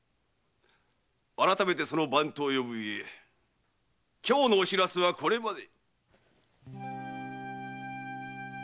改めてその番頭を呼ぶゆえ今日のお白州はこれまで。